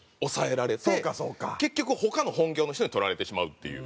結局他の本業の人に取られてしまうっていう。